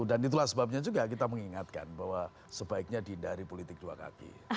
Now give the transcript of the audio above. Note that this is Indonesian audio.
dan itulah sebabnya juga kita mengingatkan bahwa sebaiknya dihindari politik dua kaki